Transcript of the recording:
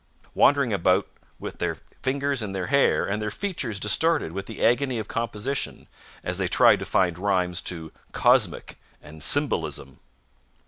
wandering about with their fingers in their hair and their features distorted with the agony of composition, as they try to find rhymes to "cosmic" and "symbolism."